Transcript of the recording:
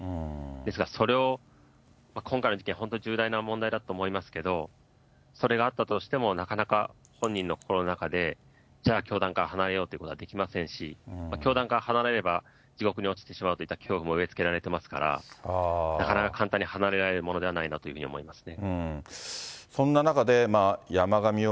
ですから、それを今回の事件、本当に重大な問題だと思いますけど、それがあったとしても、なかなか本人の心の中で、じゃあ、教団から離れようということはできませんし、教団から離れれば地獄に落ちてしまうといった恐怖も植えつけられてますから、なかなか簡単に離れられるものではないなと思います